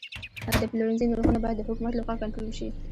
د پلورنځي نرخونه باید د حکومت لخوا کنټرول شي.